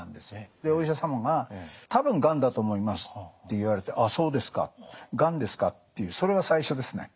でお医者様が「多分がんだと思います」って言われて「ああそうですか。がんですか」っていうそれが最初ですね。